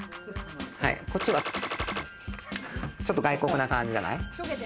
こっちは外国な感じじゃない？